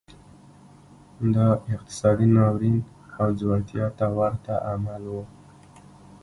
دا اقتصادي ناورین او ځوړتیا ته ورته عمل و.